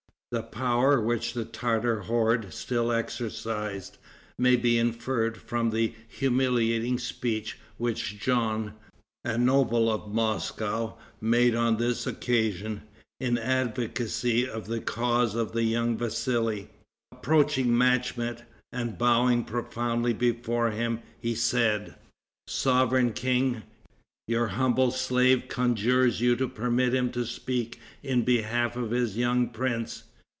The power which the Tartar horde still exercised, may be inferred from the humiliating speech which Jean, a noble of Moscow, made on this occasion, in advocacy of the cause of the young Vassali. Approaching Machmet, and bowing profoundly before him, he said, "Sovereign king, your humble slave conjures you to permit him to speak in behalf of his young prince.